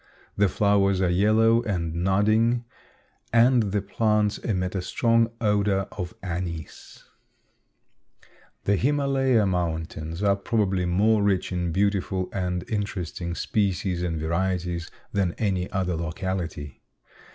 The flowers are yellow and nodding, and the plants emit a strong odor of anise. The Himalaya Mountains are probably more rich in beautiful and interesting species and varieties than any other locality.